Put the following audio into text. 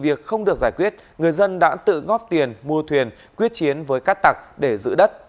vì việc không được giải quyết người dân đã tự ngóp tiền mua thuyền quyết chiến với các tạc để giữ đất